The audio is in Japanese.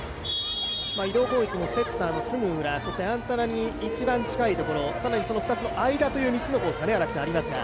移動攻撃もセッターのすぐ裏、そしてアンテナに近いところ更にその２つの間という３つのコースがありますが。